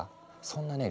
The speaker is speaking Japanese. そんなね